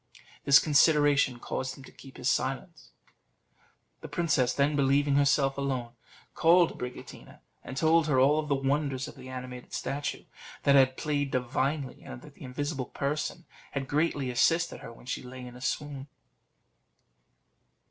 This consideration caused him to keep silence. The princess, then, believing herself alone, called Abricotina and told her all the wonders of the animated statue; that it had played divinely, and that the invisible person had greatly assisted her when she lay in a swoon.